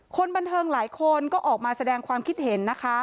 คนบันเทิงหลายคนก็ออกมาแสดงความคิดเห็นนะคะ